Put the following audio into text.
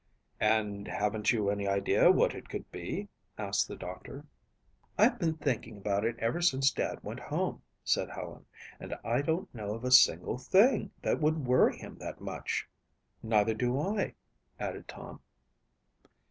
"And haven't you any idea what it could be?" asked the doctor. "I've been thinking about it ever since Dad went home," said Helen, "and I don't know of a single thing that would worry him that much." "Neither do I," added Tom.